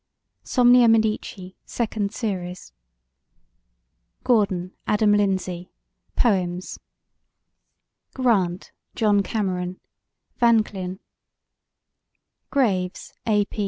Somnia Medici. Second Series GORDON, ADAM LINDSAY: Poems GRANT, JOHN CAMERON: Vanclin GRAVES, A.